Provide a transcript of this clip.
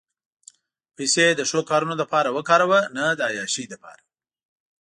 پېسې د ښو کارونو لپاره وکاروه، نه د عیاشۍ لپاره.